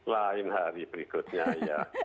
lain hari berikutnya ya